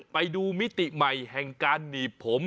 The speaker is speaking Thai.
มิติใหม่แห่งการหนีบผม